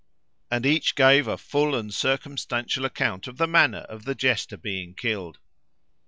and each gave a full and circumstantial account of the manner of the jester being killed."